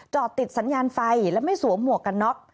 จอดติดสัญญาณไฟและไม่สวมหมวกกันน็อก